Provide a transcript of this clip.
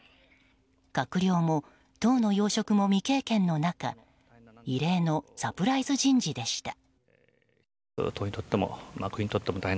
閣僚も党の要職も未経験の中異例のサプライズ人事でした。